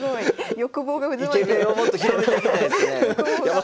欲望が渦巻いてる。